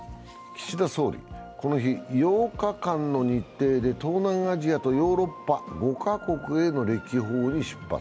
岸田総理、この日８日間の日程で東南アジアとヨーロッパ５カ国への歴訪へ出発。